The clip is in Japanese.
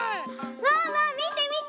ワンワンみてみて！